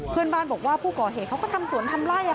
เพื่อนบ้านบอกว่าผู้ก่อเหตุเขาก็ทำสวนทำไล่